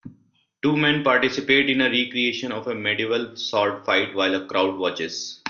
Two men participate in a recreation of a medieval sword fight while a crowd watches.